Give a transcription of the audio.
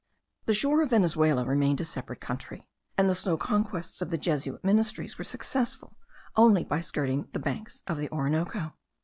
The shore of Venezuela remained a separate country; and the slow conquests of the Jesuit missionaries were successful only by skirting the banks of the Orinoco.